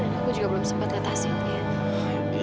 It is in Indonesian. dan aku juga belum sempat letasin dia